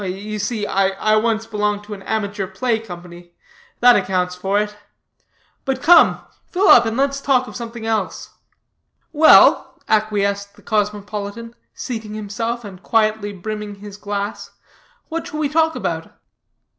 "You see, I once belonged to an amateur play company; that accounts for it. But come, fill up, and let's talk of something else." "Well," acquiesced the cosmopolitan, seating himself, and quietly brimming his glass, "what shall we talk about?"